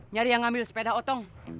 nyari yang ngambil sepeda otong